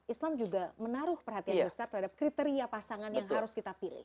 islam juga menaruh perhatian besar terhadap kriteria pasangan yang harus kita pilih